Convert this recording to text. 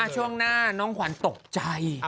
ช่วงหน้าน้องขวัญตกใจ